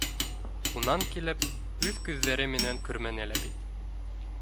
Унан килеп, үҙ күҙҙәре менән күрмәне лә бит